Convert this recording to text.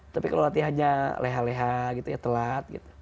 tapi kalau latihannya leha leha gitu ya telat gitu